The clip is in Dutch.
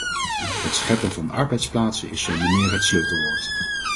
Het scheppen van arbeidsplaatsen is zonder meer het sleutelwoord.